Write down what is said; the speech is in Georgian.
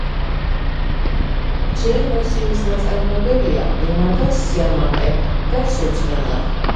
ჯეინ ოსტინის ნაწარმოებებია ემა და სიამაყე და ცრურწმენა.